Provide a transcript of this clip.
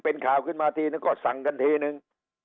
เป็นข่าวขึ้นมาทีนึงก็สั่งกันทีนึง